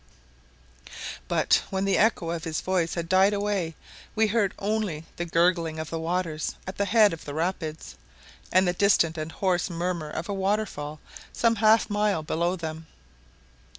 But when the echo of his voice had died away we heard only the gurgling of the waters at the head of the rapids, and the distant and hoarse murmur of a waterfall some half mile below them.